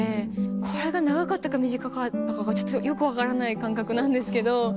これが長かったか短かったかがよく分からない感覚なんですけど。